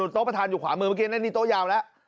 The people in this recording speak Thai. โต๊ะประธานอยู่ขวามือเมื่อกี้โต๊ะยาวแล้ว